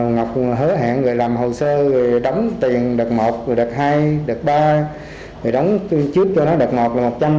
ngọc hứa hẹn làm hồ sơ đóng tiền được một